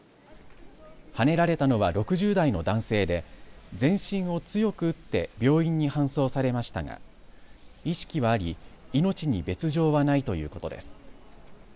はねられたのは６０代の男性で全身を強く打って病院に搬送されましたが意識はあり命に別状はないということです。